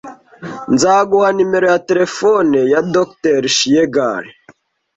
Nzaguha nimero ya terefone ya Dr. Shiegal